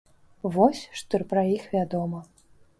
Вось, што пра іх вядома.